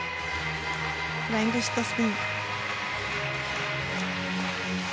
フライングシットスピン。